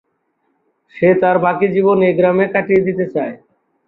সে তার বাকি জীবন এই গ্রামে কাটিয়ে দিতে চায়।